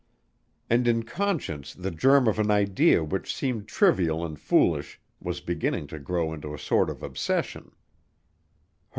And in Conscience the germ of an idea which seemed trivial and foolish was beginning to grow into a sort of obsession.